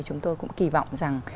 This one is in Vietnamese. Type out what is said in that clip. chúng tôi cũng kỳ vọng rằng